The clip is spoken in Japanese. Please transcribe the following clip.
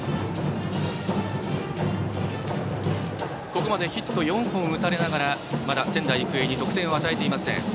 ここまでヒット４本打たれながらまだ仙台育英に得点を与えていません。